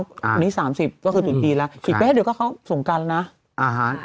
อันนี้สามสิบก็คือตุนทีแล้วอีกแป๊เดี๋ยวก็เข้าสงการแล้วนะอ่าฮะ